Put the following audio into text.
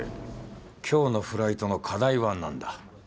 今日のフライトの課題は何だ？